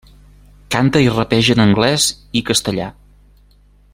Canta i rapeja en anglès i castellà.